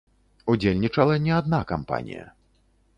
Удзельнічала не адна кампанія.